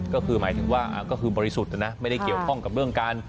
ก็คือบริสุทธิ์นะไม่ได้เกี่ยวข้องกับเรื่องการ